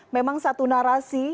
memang satu narasi